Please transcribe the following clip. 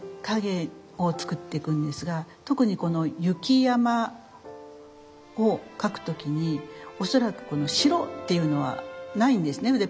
影を作っていくんですが特にこの雪山を描く時に恐らくこの白っていうのはないんですね